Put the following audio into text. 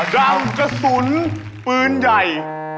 ดาวกระสุนปืนใหญ่